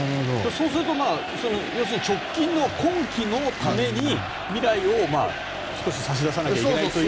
そうすると直近の今期のために未来を少し差し出さなきゃいけないと。